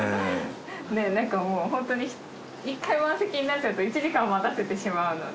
なんかもうホントに１回満席になっちゃうと１時間待たせてしまうので。